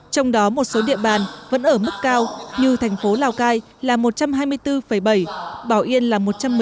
trong đó một số địa bàn vẫn ở mức cao như thành phố lào cai là một trăm hai mươi bốn bảy bảo yên là một trăm một mươi bảy